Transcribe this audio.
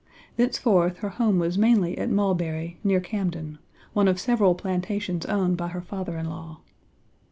Thenceforth her home was mainly at Mulberry, near Camden, one of several plantations owned by her father in law.